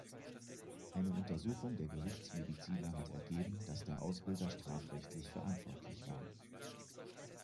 Eine Untersuchung der Gerichtsmediziner hat ergeben, dass der Ausbilder strafrechtlich verantwortlich war.